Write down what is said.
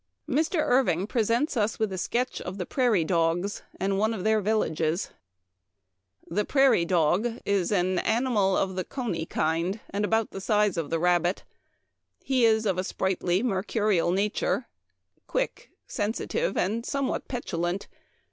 Mr. Irving presents us a sketch of the " Prairie dogs," and one of their villages : 15 226 Memoir of Washington Irving. " The prairie dog is an animal of the coney kind, and about the size of the rabbit. He is of a sprightly, mercurial nature ; quick, sensi tive, and somewhat petulant.